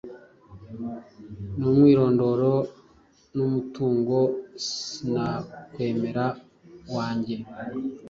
numwirondoro n’umutungo Sinakwemera wange.